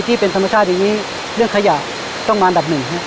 ที่เป็นธรรมชาติอย่างนี้เรื่องขยะต้องมาอันดับหนึ่งฮะ